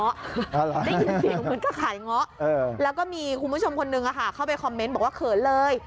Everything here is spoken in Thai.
มันก็ขายง้อแล้วก็มีคุณผู้ชมคนหนึ่งเข้าไปคอมเมนต์บอกว่าเผินเลย